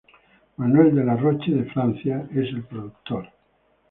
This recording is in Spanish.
Manuel De La Roche de Francia, es el productor.